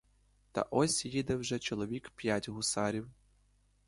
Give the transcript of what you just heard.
Та ось їде вже чоловік п'ять гусарів.